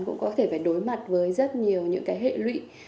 cũng có thể đối mặt với rất nhiều hệ lụy